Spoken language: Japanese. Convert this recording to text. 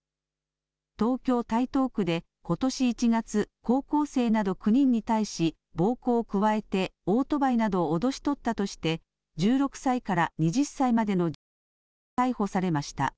東京台東区でことし１月、高校生など９人に対し暴行を加えてオートバイなどを脅し取ったとして１６歳から２０歳までの１１人が逮捕されました。